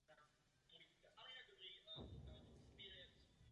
Vyšla ve třech vydáních.